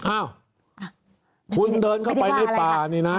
อ้าวคุณเดินเข้าไปในป่านี่นะ